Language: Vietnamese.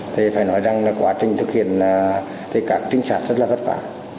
thì phải nói rằng là quá trình thực hiện thì các trinh sát rất là vất vả